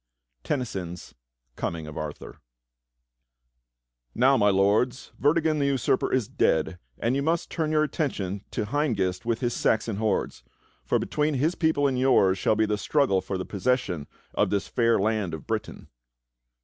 Tennyson's "Coming of Arthur." " ^^OW, my Lords, Vortigern the usurper is dead, and yqu must W / turn your attention to Hengist with his Saxon hordes; for ^^ between his people and yours shall be the struggle for the possession of this fair land of Britain."